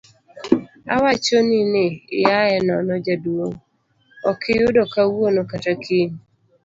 awachoni ni iaye nono jaduong',okiyuda kawuono kata kiny